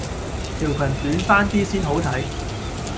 條群短翻啲先好睇